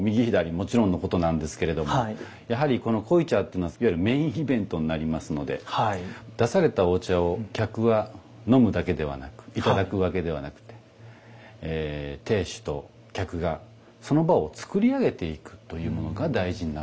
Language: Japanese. もちろんのことなんですけれどやはりこの濃茶というのはいわゆるメインイベントになりますので出されたお茶を客は飲むだけではなくいただくわけではなくて亭主と客がその場を作り上げていくというものが大事になると思います。